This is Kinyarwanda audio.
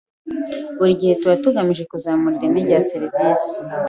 Buri gihe tuba tugamije kuzamura ireme rya serivisi.